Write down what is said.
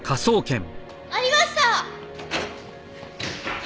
ありました！